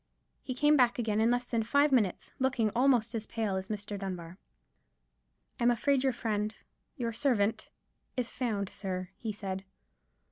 He came back again in less than five minutes, looking almost as pale as Mr. Dunbar. "I'm afraid your friend—your servant—is found, sir," he said.